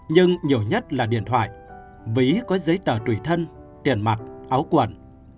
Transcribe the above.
nhưng nhiều nhất là điện thoại ví có giấy tờ tùy thân tiền mặt áo cuộn